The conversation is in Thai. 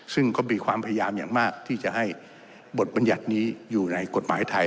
ซึ่งก็มีความพยายามอย่างมากที่จะให้บทบรรยัตินี้อยู่ในกฎหมายไทย